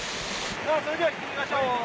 さぁそれでは行ってみましょう！